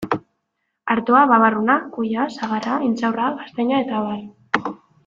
Artoa, babarruna, kuia, sagarra, intxaurra, gaztaina eta abar.